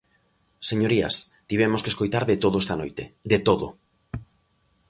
Señorías, tivemos que escoitar de todo esa noite, ¡de todo!